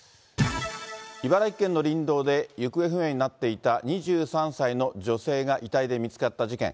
茨城県の林道で、行方不明になっていた２３歳の女性が遺体で見つかった事件。